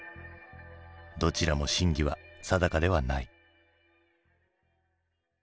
どちらも真偽は定かではない。